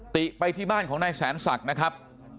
ติไปที่บ้านของนายแสนศักดิ์นะครับ